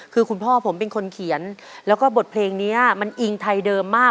คือคุณพ่อผมเป็นคนเขียนแล้วก็บทเพลงนี้มันอิงไทยเดิมมาก